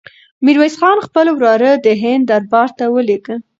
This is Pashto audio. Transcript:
میرویس خان خپل وراره د هند دربار ته ولېږه.